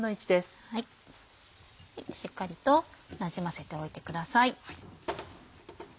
しっかりとなじませておいてください。